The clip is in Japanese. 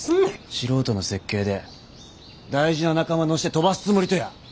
素人の設計で大事な仲間乗して飛ばすつもりとや？